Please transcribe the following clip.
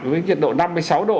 với nhiệt độ năm mươi sáu độ